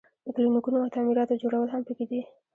د کلینیکونو او تعمیراتو جوړول هم پکې دي.